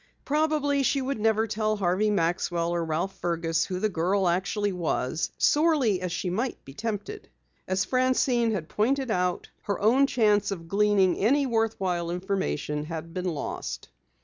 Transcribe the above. Probably she would never tell Harvey Maxwell or Ralph Fergus who the girl actually was, sorely as she might be tempted. As Francine had pointed out, her own chance of gleaning any worth while information had been lost.